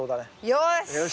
よし！